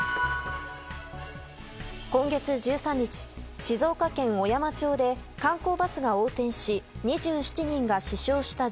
今月１３日静岡県小山町で観光バスが横転し２７人が死傷した